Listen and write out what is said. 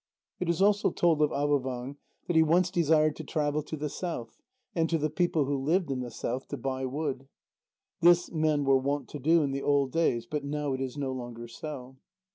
It is also told of Avôvang, that he once desired to travel to the south, and to the people who lived in the south, to buy wood. This men were wont to do in the old days, but now it is no longer so.